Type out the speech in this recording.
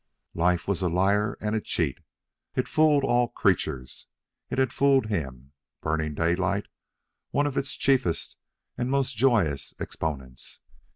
Life was a liar and a cheat. It fooled all creatures. It had fooled him, Burning Daylight, one of its chiefest and most joyous exponents.